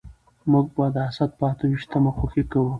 موږ به د اسد په اته ويشتمه خوښي کوو.